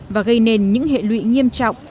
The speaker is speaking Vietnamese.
và gây nên những hệ lụy nghiêm trọng